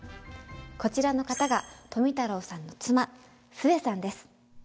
こちらの方が富太郎さんの妻壽衛さんです。